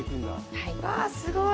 わあ、すごい。